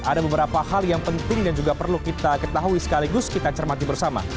ada beberapa hal yang penting dan juga perlu kita ketahui sekaligus kita cermati bersama